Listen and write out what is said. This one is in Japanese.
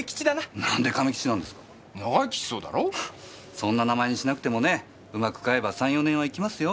そんな名前にしなくてもねうまく飼えば３４年は生きますよ。